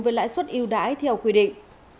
với lãi suất ưu đãi theo quy định